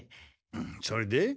それで？